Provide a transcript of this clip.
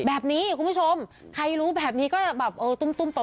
แบบนี้คุณผู้ชมใครรู้แบบนี้ก็จะแบบเออตุ้มต่อ